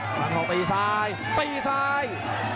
ภูยาตีซ้ายตีซ้าย